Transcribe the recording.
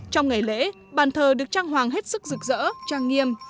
trong ngày lễ bàn thờ được trang hoàng hết sức rực rỡ trang nghiêm